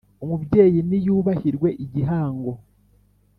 Umubyeyi ni yubahirwe igihango